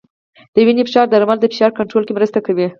د وینې فشار درمل د فشار کنټرول کې مرسته کوي.